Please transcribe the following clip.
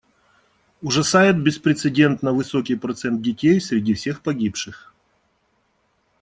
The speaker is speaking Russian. Ужасает беспрецедентно высокий процент детей среди всех погибших.